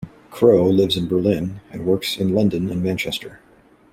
Crowe lives in Berlin and works in London and Manchester.